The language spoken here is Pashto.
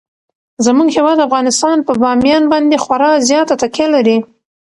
زموږ هیواد افغانستان په بامیان باندې خورا زیاته تکیه لري.